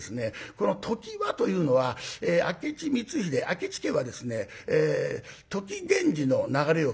この「ときは」というのは明智光秀明智家はですね土岐源氏の流れをくむという。